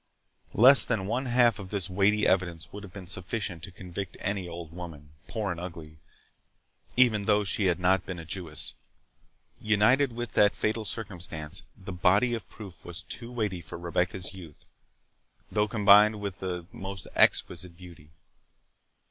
Less than one half of this weighty evidence would have been sufficient to convict any old woman, poor and ugly, even though she had not been a Jewess. United with that fatal circumstance, the body of proof was too weighty for Rebecca's youth, though combined with the most exquisite beauty.